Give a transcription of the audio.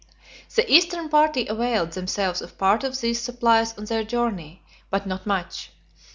The eastern party availed themselves of part of these supplies on their journey, but not much.